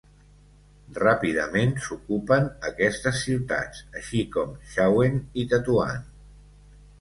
Ràpidament s'ocupen aquestes ciutats, així com Xauen i Tetuan.